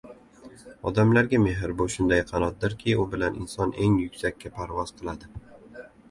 Odamlarga mehr — bu shunday qanotdirki, u bilan inson eng yuksakka parvoz qiladi.